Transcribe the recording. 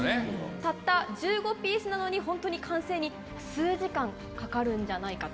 たった１５ピースなのに完成に数時間かかるんじゃないかと。